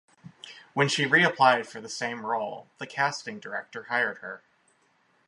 When she re-applied for the same role, the casting director hired her.